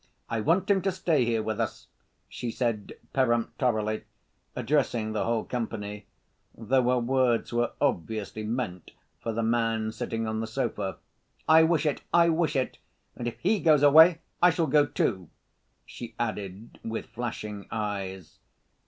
I want him to stay here with us," she said peremptorily, addressing the whole company, though her words were obviously meant for the man sitting on the sofa. "I wish it, I wish it! And if he goes away I shall go, too!" she added with flashing eyes.